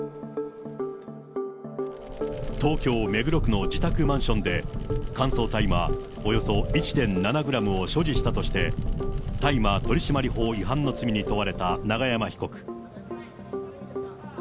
東京・目黒区の自宅マンションで、乾燥大麻およそ１．７グラムを所持したとして大麻取締法違反の罪に問われた永山被告。